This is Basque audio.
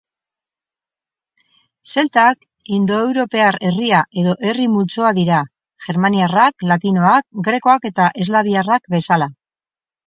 Zeltak indoeuropar herria edo herri multzoa dira, germaniarrak, latinoak, grekoak eta eslaviarrak bezala.